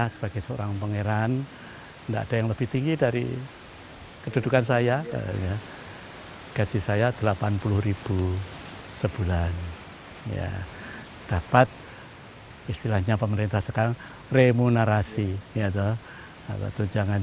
sebagian lain digunakan untuk menambah jumlah gaji para abdi tertinggi sekalipun nominalnya tidak sampai dua juta per bulan